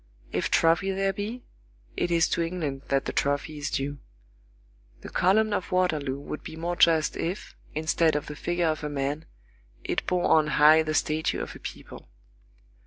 If trophy there be, it is to England that the trophy is due. The column of Waterloo would be more just, if, instead of the figure of a man, it bore on high the statue of a people.